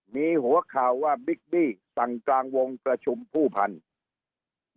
มีหัวข่าวว่าบิ๊กบี้สั่งกลางวงประชุมผู้พันธุ์